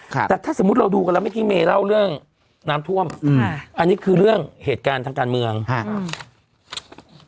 ค่ะแต่ถ้าสมมุติเราดูกันแล้วเมื่อกี้เมย์เล่าเรื่องน้ำท่วมอืมอันนี้คือเรื่องเหตุการณ์ทางการเมืองฮะอืม